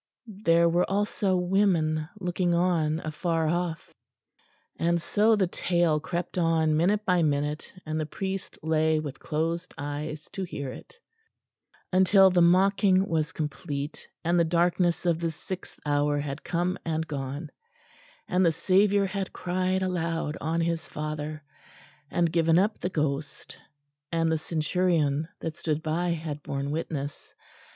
"There were also women looking on afar off." And so the tale crept on, minute by minute, and the priest lay with closed eyes to hear it; until the mocking was complete, and the darkness of the sixth hour had come and gone, and the Saviour had cried aloud on His Father, and given up the ghost; and the centurion that stood by had borne witness.